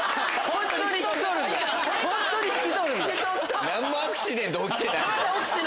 本当に引き取るんだ！